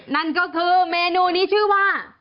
นั่นก็คือเมนูนี้ชื่อว่า